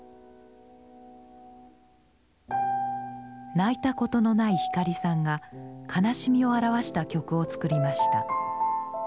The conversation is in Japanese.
泣いたことのない光さんが悲しみを表した曲を作りました。